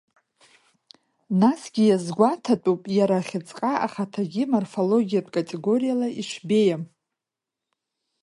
Насгьы иазгәаҭатәуп иара ахьыӡҟа ахаҭагьы морфологиатә категориала ишбеиам.